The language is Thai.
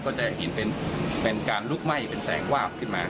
ก็จะเห็นเป็นการลุกไหม้เป็นแสงวาบขึ้นมา